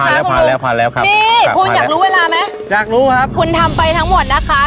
ผ่านแล้วผ่านแล้วครับนี่คุณอยากรู้เวลาไหมอยากรู้ครับคุณทำไปทั้งหมดนะคะ